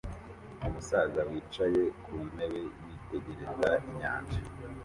umusaza wicaye ku ntebe yitegereza inyanja